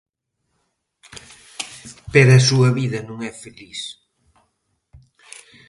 Pero a súa vida non é feliz.